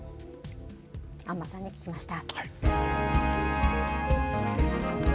安間さんに聞きました。